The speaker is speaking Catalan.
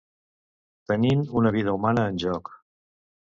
Tenint una vida humana en joc.